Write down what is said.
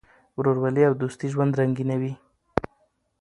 ورورولي او دوستي ژوند رنګینوي.